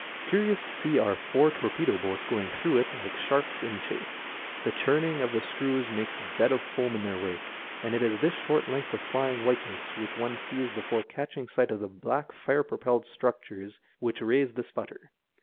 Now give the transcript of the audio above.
Curious to see are four torpedo boats going through it like sharks in chase. The churning of the screws makes a bed of foam of their wake ; and it is this short length of flying whiteness which one sees before catch ing sight of the black fire propelled structures which 14 206 SEASIDE EFFECTS. raise the sputter.